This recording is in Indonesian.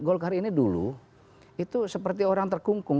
golkar ini dulu itu seperti orang terkungkung